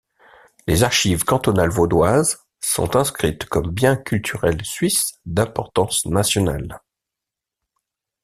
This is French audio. Les Archives cantonales vaudoises sont inscrites comme bien culturel suisse d'importance nationale.